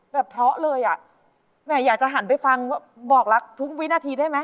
แบบเพราะเลยอ่ะมันอ่ะอยากจะหันไปฟังว่าบอกแล้วทุกวินาทีได้ไหม